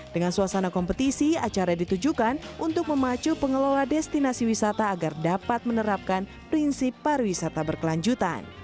dengan suasana kompetisi acara ditujukan untuk memacu pengelola destinasi wisata agar dapat menerapkan prinsip pariwisata berkelanjutan